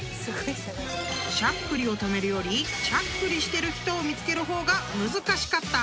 ［しゃっくりを止めるよりしゃっくりしてる人を見つける方が難しかった］